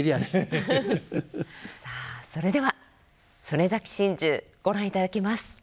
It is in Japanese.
さあそれでは「曾根崎心中」ご覧いただきます。